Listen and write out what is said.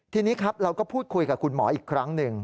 ทีนี้ครับเราก็พูดคุยกับคุณหมออีกครั้งหนึ่ง